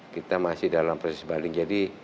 kita masih dalam proses baling jadi